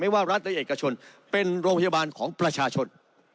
ว่ารัฐและเอกชนเป็นโรงพยาบาลของประชาชน